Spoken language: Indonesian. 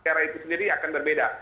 daerah itu sendiri akan berbeda